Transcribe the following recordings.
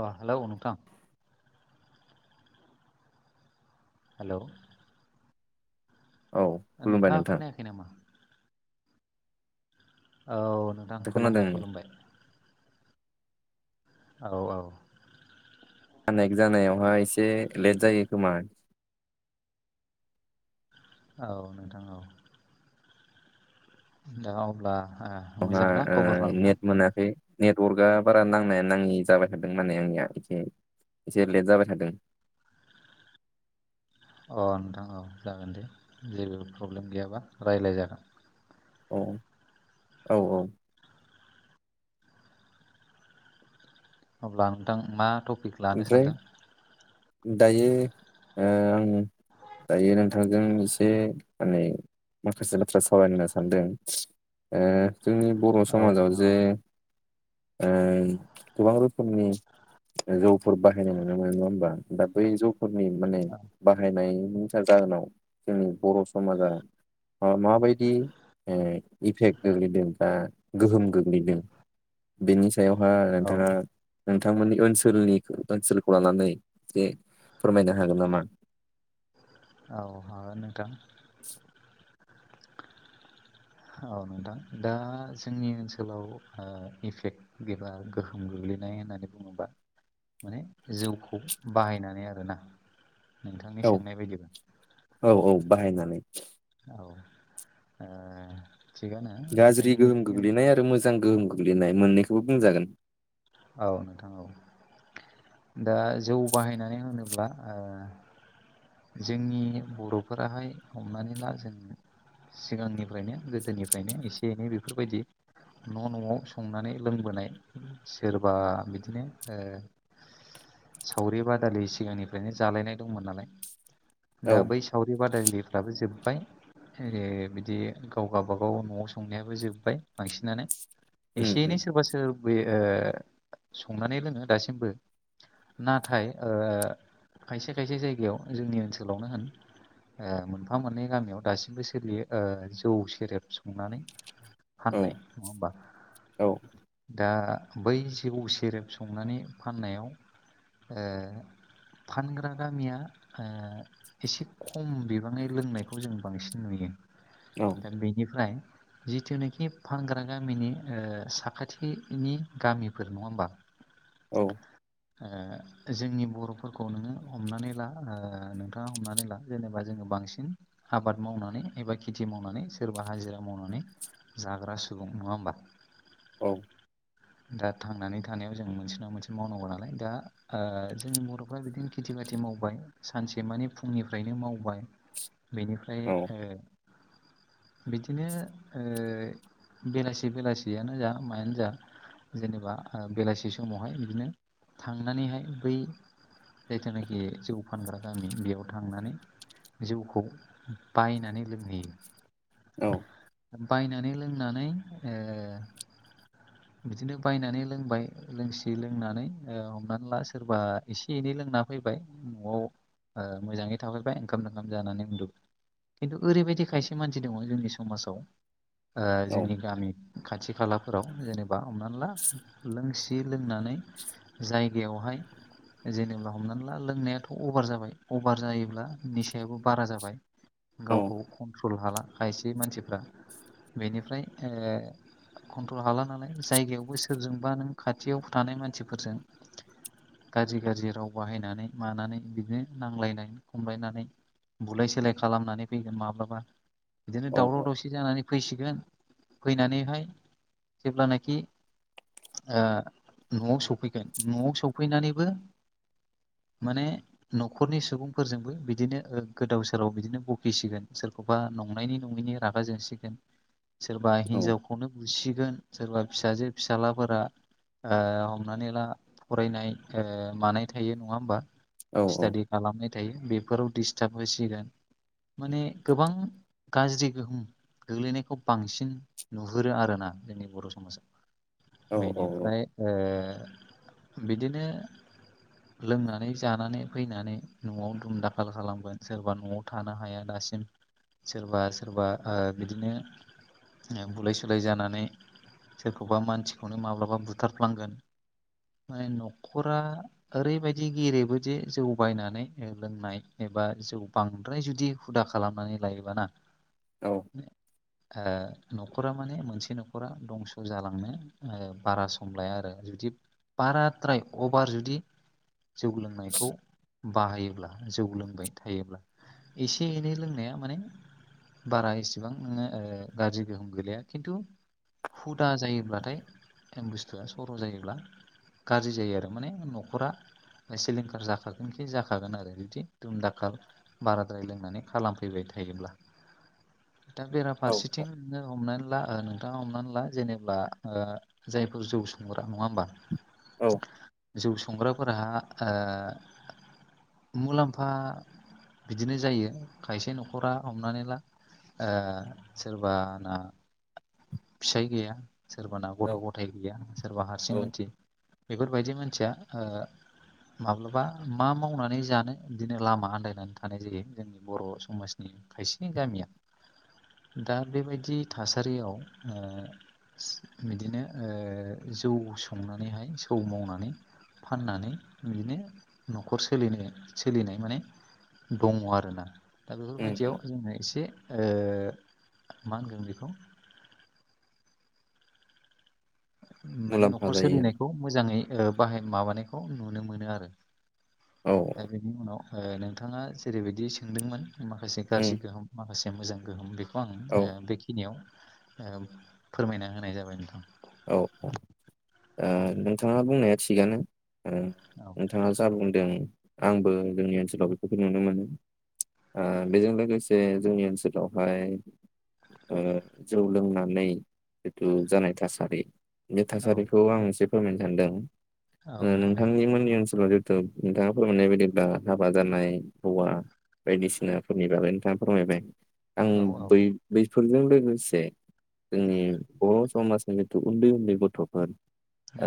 अ hello नोंथां। Hello औ खुलुमबाय नोंथांङा नोंथां खोनायाखै नामा? औ नोंथां दा खोनादों खुलुमबाय खुलुमबाय औ औ कानेक्ट जानायावहाय एसे लेट जायो खोमा औ नोंथां औ नोंथांङा अब्ला बहा मोजां ना ओ खबरफ्रा नोंथां नेट मोनाखै नेटवार्कआ बारा नांनाया नांङि जाबाय थादों माने आंनिया एसे एसे लेट जाबाय थादों। अ नोंथां औ जागोन दे जेबो प्रब्लेम गैयाबा रायज्लाय जागोन। औ औ औ अब्ला नोंथां मा टपिक? लानो ओमफ्राय सानदों दायो ओ आं दायो नोंथांजों एसे माने माखासे बाथ्रा सावरायनो होनना सानदों ओ जोंनि बर' औ समाजाव नोंथां जे औ ओं गोबां रोखोमनि जौफोर बाहायनाय नुनो मोनो नंङा होमबा दा बै जौफोरनि माने बाहायनायनिसार जाहोनाव जोंनि बर' समाजा ओ माबायदि ओ इफेक्ट गोग्लैदों दा गोहोम गोग्लैदों बेनि सायावहा औ नोंथांङा नोंथांमोननि ओनसोल सोलनि ओनसोलखौ लानानै एसे फोरमायनो हागोन नामा? औ हागोन नोंथां। औ नोंथां दा जोंनि ओनसोलाव ओ इफेक्ट गिबार गोहोम गोग्लैनाय होननानै बुंङोबा माने जौखौ बाहायनानै आरोना नोंथांनि औ सोंनाय बायदिब्ला औ औ बाहायनानै। औ ओ थिगानो गाज्रि जोंनि गोहोम गोग्लैनाय आरो मोजां गोहोम गोग्लैनाय मोननैखौबो बुंजागोन। औ नोंथां औ। दा जौ बाहायनानै होनोब्ला ओ जोंनि बर'फोराहाय हमनानै ला जों सिगांनिफ्रायनो गोदोनिफ्रायनो एसे एनै बेफोरबायदि न' न'आव संनानै लोंबोनाय सोरबा बिदिनो ओ सावरि बादालि सिगांनिफ्रायनो जालायनाय दंमोन नालाय औ दा बै सावरि बादायलिफ्राबो जोब्बाय ओरै बिदि गाव गावाबागाव न'आव संनायाबो जोब्बाय बांसिनानो उम एसे उम एनै सोरबा सोर बे संनानै लोंङो दासिमबो। नाथाय ओ खायसे खायसे जायगायाव जोंनि ओनसोलावनो होन ओ मोनफा मोननै गामियाव दासिमबो सोलियो ओ जौ सेरेब संनानै औ फाननाय नङा होमबा औ दा बै जौ सेरेब संनानै फाननायाव ओ फानग्रा गामिया ओ एसे खम बिबाङै लोंनायखौ जों बांसिन नुयो औ दा बेनिफ्राय जिथुनाखि फानग्रा गामिनि ओ साखाथिनि गामिफोर नङा होमबा औ ओ जोंनि बर'फोरखौ नोङो हमनानै ला नोंथाङा हमनानै ला जेनेबा जोङो बांसिन आबाद मावनानै एबा खेथि मावनानै सोरबा हाजिरा मावनानै जाग्रा सुबुं नङा होमबा? औ दा थांनानै थानायाव जों मोनसे नङा मोनसे मावनांगौ नालाय दा ओ जोंनि बर'फ्रा बिदिनो खेथि बाथि मावबाय सानसे माने फुंनिफ्रायनो मावबाय बेनिफ्राय औ [inaudible] बिदिनो ओ बेलासि बेलासियानो जा मायानो जा जेनेबा बेलासि समावहाय बिदिनो थांनानैहाय बै जायथुनाखि जौ फानग्रा गामि बेयाव थांनानै जौखौ बायनानै लोंहैयो। औ बायनानै लोंनानै ओ बिदिनो बायनानै लोंबाय लोंसि लोंनानै ओ हमनानै ला सोरबा एसे एनै लोंना फैबाय न'आव ओ मोजाङै थाफैबाय ओंखाम ओंखाम जानानै उन्दुबाय खिन्थु ओरैबायदि खायसे मानसि दङ जोंनि समाजाव ओ जोंनि गामि खाथि खालाफोराव जेनेबा बा हमनानै ला लोंसि लोंनानै जायगायावहाय जेनेबा हमनानै ला लोंनायाथ' अभार जाबाय अभार जायोब्ला निसायाबो बारा जाबाय औ गावखौ कन्ट्रल हाला खायसे मानसिफ्रा बेनिफ्राय ओ कन्ट्रल हाला नालाय जायगायावबो सोरजोंबा नों खाथियाव थानाय मानसिफोरजों गाज्रि गाज्रि राव बाहायनानै मानानै बिदिनो नांलायनाय खमलायनानै बुलाय सोलाय खालामनानै फैगोन माब्लाबा बिदिनो औ दावराव दावसि जानानै फैसिगोन फैनानैहाय जेब्लानाखि ओ न'आव सफैगोन न'आव सफैनानैबो माने न'खरनि सुबुंफोरजोंबो बिदिनो गोदाव सोराव बिदिनो बखिसिगोन सोरखौ बा नंनायनि नङैनि रागा जोंसिगोन। [inaudible] सोरबा औ हिनजावखौनो बुसिगोन सोरबा फिसाजो फिसाज्लाफोरा ओ हमनानै ला फरायनाय ओ मानाय थायो नङा होमबा औ स्टाडि खालामनाय थायो बेफोराव डिस्टार्ब होसिगोन माने गोबां गाज्रि गोहोम गोग्लैनायखौ बांसिन नुहुरो आरोना जेनेब बर' औ समाजाव औ बेनिफ्राय ओ बिदिनो लोंनानै जानानै फैनानै न'आव दुम दाखाल खालामगोन सोरबा न'आव थानो हाया दासिम सोरबा सोरबा ओ बिदिनो ओ बुलाय सोलाय जानानै सोरखौबा मानसिखौनो माब्लाबा बुथारफ्लांगोन माने न'खरा ओरैबायदि गेरेबोदि जौ बायनानै लोंनाय एबा जौ बांद्राय जुदि हुदा खालामनानै लायोबाना औ। ओ न'खरा माने मोनसे न'खरा दंस' जालांनो बारा सम लाया आरो जुदि बाराद्राय अभार जुदि जौ लोंनायखौ बाहायोब्ला जौ लोंबाय थायोब्ला एसे एनै लोंनाया माने बारा एसेबां नोङो ओ गाज्रि गोहोम गोलैया खिन्थु हुदा जायोब्लाथाय बुस्थुआ सर' जायोब्ला गाज्रि जायो आरो माने न'खरा सिलिंखार जाखागोनखि जाखागोन आरो बिदि दुमदाखाल बाराद्राय लोंनानै खालामफैबाय थायोब्ला [inaudible] दा औ बेराफारसेथिं नोङो हमनानै ला ओ नोंथाङा हमनानै ला जेनेब्ला ओ जायफोर जौ संग्रा नङा होमबा? औ। जौ संग्राफोरहा ओ मुलाम्फा बिदिनो जायो। खायसे न'खरा हमनानै ला ओ सोरबाना फिसाय गैया सोरबाना औ गथ' गथाय गैया सोरबा हारसिं मानसि बेफोर बायदि मानसिया ओ माब्लाबा मा मावनानै जानो बिदिनो लामा आन्दायनानै थानाय जायो। जों बर' समाजनि खायसेनि गामिया दा बे बायदि थासारियाव ओ बिदिनो ओ जौ संनानैहाय जौ मावनानै फाननानै बिदिनो न'खर सोलिनो सोलिनाय माने दङ आरोना। दा उम बेफोरबायदियाव उम जोङो एसे ओ मा होनगोन बेखौ माने मुलाम्फा न'खर जायो सोलिनायखौ मोजाङै ओ बाहाय माबानायखौ नुनो मोनो आरो। औ। दा बेनि उनाव ओ नोंथाङा जेरै बायदि सोंदोंमोन माखासे गाज्रि उम गोहोम माखासे मोजां गोहोम, बेखौ औ आं बेखि खिनियाव ओ फोरमायना होनाय जाबाय नोंथां। औ औ ओ नोंथाङा बुंनाया थिगानो ओ औ नोंथाङा जा बुंदों आंबो जोंनि ओनसोलाव बेफोरखौ नुनो मोनो। ओ बेजों लोगोसे जोंनि ओनसोलावहाय ओ जौ लोंनानै जिथु जानाय थासारि बे औ थासारिखौ आं एसे फोरमायनो सानदों। ओ औ नोंथां दे नोंथांनिमोननि ओनसोलाव जे थु नोंथाङा फोरमायनाय बायदिब्ला हाबा जानाय हौवा बायदिसिनाफोरनि बागै नोंथाङा फोरमायबाय, आं औ औ बै बैफोरजों लोगोसे जोंनि बर' समाजनि जिथु उन्दै उन्दै गथ'फोर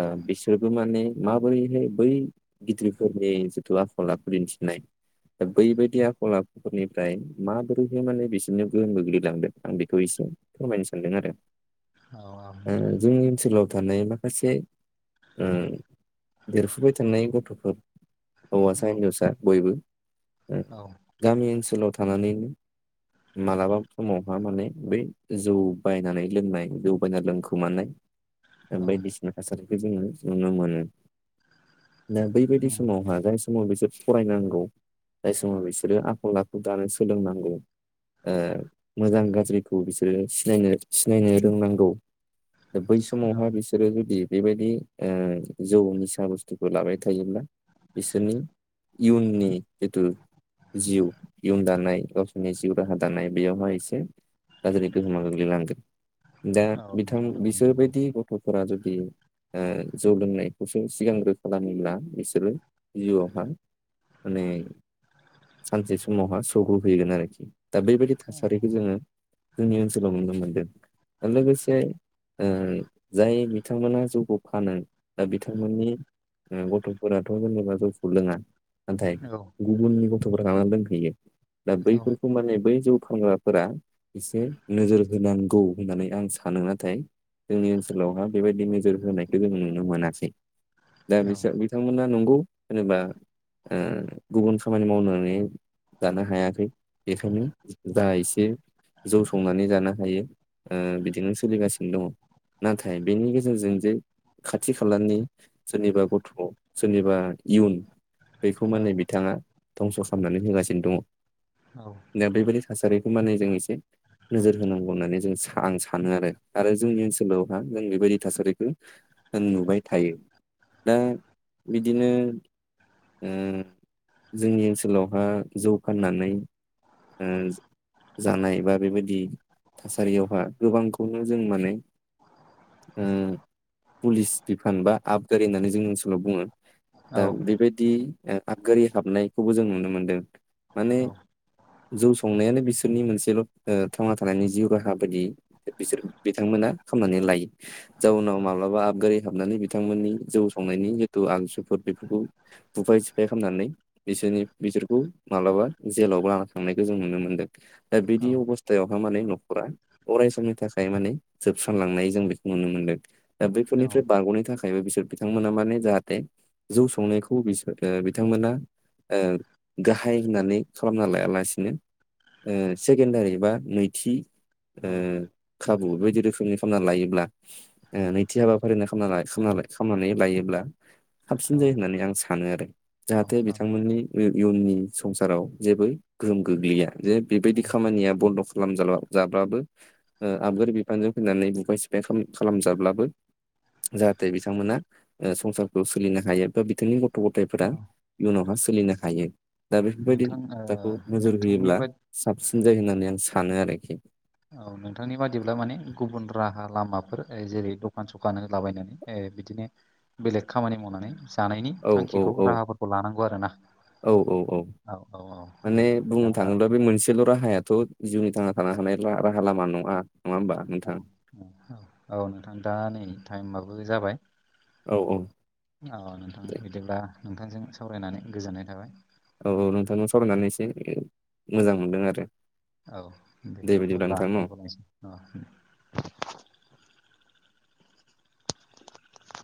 ओ औ बिसि बिसोरबो माने माबोरैहाय बै गिदिरफोरनि जिथु आखल आखु दिन्थिनाय दा बैबायदि आखल आखुफोरनिफ्राय माबोरैहाय माने बिसोरनो गोहोम गोग्लैलांदों। आं बेखौ एसे फोरमायनो सानदों आरो। औ औ ओ नोंथां जोंनि ओनसोलाव थानाय मा खासे उम देरफुबाय थानाय गथ'फोर हौवासा औ होनजावसा बयबो ओ औ गामि ओनसोलाव थानानै मालाबा समावहा माने बै जौ बायनानै लोंनाय जौ बायना लोंखोमानाय औ बायदिसिना थासारिखौ जोङो नुनो मोनो दा बैबायदि उम समावहा जाय समाव बिसोर फरायनांगौ जाय समाव बिसोरो आखल आखु दानो सोलोंनांगौ ओ मोजां गाज्रिखौ बिसोरो सिनायनो सिनायनो रोंनांगौ दा बै औ समावहाय बिसोरो बेबायदि ओ जौ निसा बुस्थुखौ लाबाय थायोब्ला बिसोरनि इयुननि जेथु जिउ इयुन दानाय गावसोरनि जिउ राहा दानाय बेयावहाय एसे गाज्रि गोहोमा गोग्लैलांगोन दा औ बिथां नोंथां औ नंगौ बिसोरबायदि गथ'फोरा जुदि दि ओ जौ लोंनायखौसो सिगांग्रो खालामोब्ला बिसोरो जिउआवहा माने सानसे समावहा सौग्रु हैगोन आरोखि दा बेबायदि औ थासारिखौ जोङो जोंनि ओनसोलाव नुनो मोनदों लोगोसे ओ जाय बिथांमोना जौखौ फानो दा बिथांमोननि अम गथ'फोराथ' जेनेबा जौखौ लोङा। नाथाय औ गुबुननि गथ'फोरा लानानै लोंफैयो दा औ बैफोरखौ माने बै जौ फानग्रा फोरा एसे नोजोर होनांगौ होननानै आं सानो नाथाय जोंनि ओनसोलावहा बेबायदि नोजोर होनायखो जों नुनो मोनासै दा बिसोर औ बिथांमोना नंगौ जेनेबा ओ गुबुन खामानि मावनानै जानो हायाखै बेखायनो जा एसे जौ संनानै जानो हायो ओ बिदिनो सोलिगासिनो दङ नाथाय बेनि गेजेरजों जे खाथि खालानि सोरनिबा गथ' सोरनिबा इयुन बेखौ औ माने बिथाङा धंस' खालामनानै होगासिनो दङ। औ। दा बेबायदि थासारिखौ माने जों एसे नोजोर होनांगौ होननानै जों सा आं सानो आरो-आरो जोंनि ओनसोलावहा जों बेबायदि थासारिखो नुबाय थायो। दा बिदिनो ओ जोंनि ओनसोलावहा जौ फाननानै अम जानाय बा बेबायदि थासारियावहा गोबांखौनो जों माने ओ पुलिस बिफान बा आबगारि होननानै जोंनि ओनसोलाव बुङो। औ दा बेबायदि आबगारि हाबनायखौबो जों नुनो मोनदों माने जौ संनायानो बिसोरनि मोनसेल' थांना थानायनि जिउ राहा बायदि। बिसोर बिथांमोना खामनानै लायो। जाउनाव औ माब्लाबा आबगारि हाबनानै बिथांमोननि जौ संनायनि जिथु आगसुफोर बेफोरखौ बुफाय सिफाय खामनानै बिसोरनि बिसोरखौ माब्लाबा जेलावबो लाना थांनायखौ जों नुनो मोन्दों। दा बिदि अबस्थायावहाय माने न'खरा अराय समनि थाखाय माने जोबस्रांलांनाय जों बेखौ नुनो मोनदों। दा बैफोरनिफ्राय बारग'नो थाखायबो बिसोर बिथांमोना माने जाहाथे जौ संनायखौ बिसोर बिथांमोना ओ गाहाय होननानै खालामना लायालासिनो ओ सेकेण्डारि बा नैथि ओ खाबु बे बायदि रोखोमनि खामना लायोब्ला ओ नैथि हाबाफारि होनना खामना-खामना खामनानै लायोब्ला साबसिन जायो होननानै आं सानो आरो जाहाथे बिथांमोननि इयुननि संसाराव जेबो गोहोम गोग्लैया जे बेबायदि खामानिया बन्द' खालाम जाब्ला- जाब्लाबो ओ आबगुर बिफानजों फैनानै बुगाय सिफाय खालाम खालामजाब्लाबो जाहाथे बिथांमोना ओ संसारखौ सोलिनो हायो बा बिथांनि गथ थ'-गथायफोरा इयुनावहा सोलिनो हायो दा बेफोरबायदि नोंथां ओ खोथाखौ नोजोर नोंथांनि होयोब्ला बा साबसिन जायो होननानै आं सानो आरोखि। औ नोंथांनि बादिब्ला माने गुबुन राहा लामाफोर जेरै दखान सखान होदलाबायनानै ओ बिदिनो बेलेग खामानि मावनानै जानायनि औ औ थांखिखौ औ राहाफोरखौ लानांगौ आरो ना। औ औ औ माने बुंनो दा थाङोब्ला बे मोनसे ल' राहायाथ' जिउनि थांना थानो हानाय राहा लामा नङा। नङा होमबा नोंथां औ नोंथां दा नै टाइमाबो जाबाय। औ औ। औ नोंथां दे बिदिब्ला नोंथांजों सावरायनानै गोजोननाय थाबाय। औ-औ नोंथांनाव सावरायनानै एसे मोजां मोनदों आरो औ दे बिदिब्ला अब्ला नोंथां न दोनथ'लायसै अ।